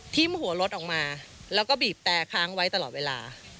หัวรถออกมาแล้วก็บีบแต่ค้างไว้ตลอดเวลา